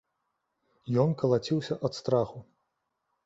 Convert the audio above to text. Ён калаціўся ад страху.